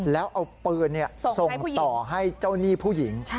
แล้วเอาปืนส่งต่อให้เจ้าหนี้ผู้หญิง